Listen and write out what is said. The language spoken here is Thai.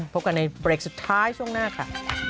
พบกันในเบรกสุดท้ายช่วงหน้าค่ะ